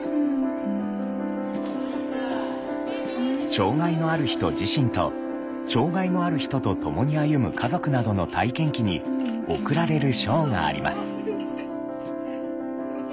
障害のある人自身と障害のある人と共に歩む家族などの体験記に贈られる賞があります。